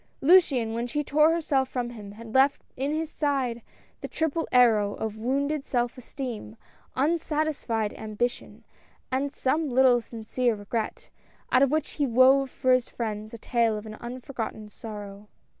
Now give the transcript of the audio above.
Luciane, when she tore herself from him, had left in his side the triple arrow of wounded self esteem, un satisfied ambition, and some little sincere regret, out of which he wove for his friends a tale of an unforgotten sorrow.